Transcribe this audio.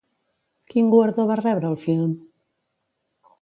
Quin guardó va rebre el film?